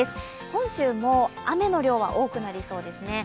本州も雨の量は多くなりそうですね。